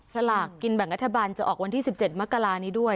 สลากกินแบ่งรัฐบาลจะออกวันที่๑๗มกรานี้ด้วย